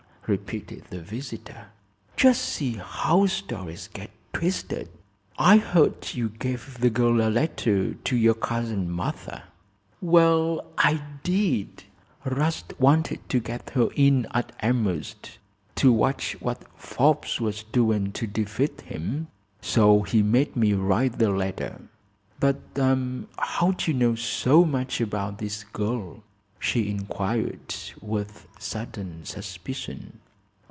repeated the visitor. "Just see how stories get twisted. I heard you gave the girl a letter to your cousin Martha." "Well, I did. 'Rast wanted to get her in at Elmhurst, to watch what Forbes was doing to defeat him, so he made me write the letter. But how'd you know so much about this girl?" she inquired, with sudden suspicion.